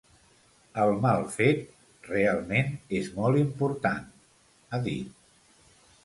“El mal fet realment és molt important”, ha dit.